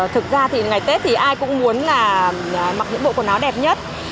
thực ra thì ngày tết thì ai cũng muốn là mặc những bộ quần áo đẹp nhất